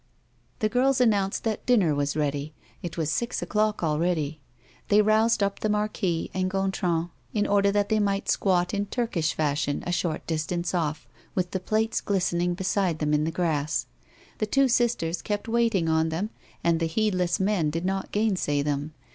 The girls announced that dinner was ready. It was six o'clock already. They roused up the Marquis and Gontran in order that they might squat in Turkish fashion a short distance off, with the plates glistening beside them in the grass. The two sisters kept waiting on them, and the heedless men did not gainsay them.